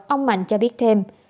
ông mạnh cho biết thêm